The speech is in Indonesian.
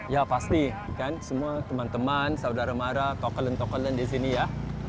ya pasti semua teman teman saudara mara tokoh tokohan di sini ya